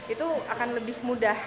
itu akan lebih mudah